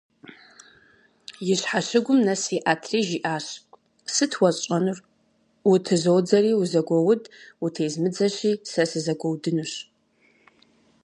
И щхьэщыгум нэс иӏэтри, жиӏащ: «Сыт уэсщӏэнур? Утызодзэри - узэгуоуд, утезмыдзэщи, сэ сызэгуэудынущ».